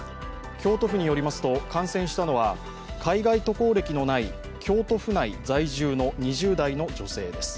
京都府によりますと感染したのは海外渡航歴のない京都府内在住の２０代の女性です。